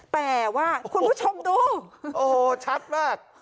แต่ว่าคุณผู้ชมดูโอ้ชัดมาก